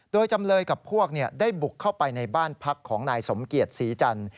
โดยจำเลยกับพวกได้บุกเข้าไปในบ้านพักของนายสมเกียรติศรีจันทร์